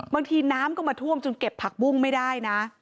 บางทีน้ำก็มาท่วมจนเก็บผักบุ้งไม่ได้นะ